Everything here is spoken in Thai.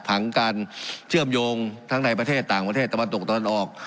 ผังการเชื่อมโยงทั้งในประเทศต่างประเทศตะวันตกตะวันออก